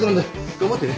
頑張ってね。